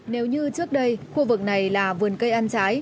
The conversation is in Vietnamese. nếu như trước đây khu vực này là vườn cây ăn trái